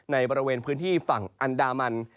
ในบริเวณพื้นที่ฝั่งอันดามัน